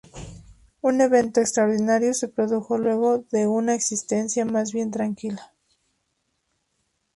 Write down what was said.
Un evento extraordinario se produjo luego de una existencia más bien tranquila.